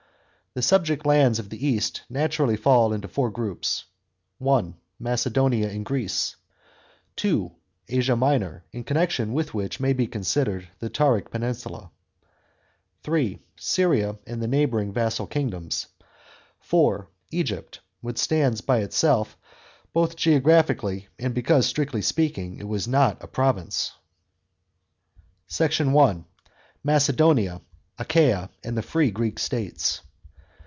The subject lands of the east naturally fall into four groups : (1) Macedonia and Greece ; (2) Asia Minor, in connection with which may be considered the Tauric peninsula ; (3) Syria and the neigh bouring vassal kingdoms ; (4) Egypt, \vhich stands by itself both geographically and because, strictly speaking, it was not a province. SECT. I. — MACEDONIA, ACHAIA, AND THE FREE GREEK STATES.